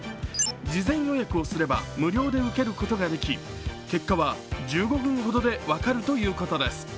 事前予約をすれば無料で受けることができ結果は１５分ほどで分かるということです。